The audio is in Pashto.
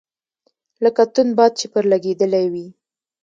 لکه توند باد چي پر لګېدلی وي .